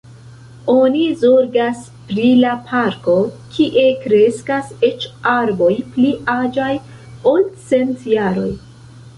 Oni zorgas pri la parko, kie kreskas eĉ arboj pli aĝaj, ol cent jaroj.